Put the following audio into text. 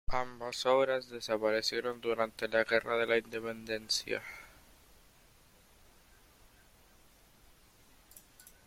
Ambas obras desaparecieron durante la Guerra de la Independencia.